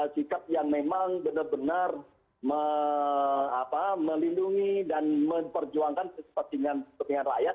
sikap yang memang benar benar melindungi dan memperjuangkan kepentingan rakyat